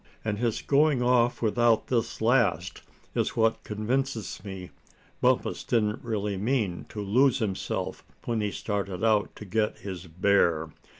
And his going off without this last is what convinces me Bumpus didn't really mean to lose himself when he started out to get his bear.